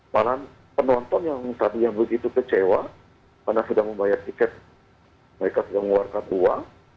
malahan penonton yang tadinya begitu kecewa karena sudah membayar tiket mereka sudah mengeluarkan uang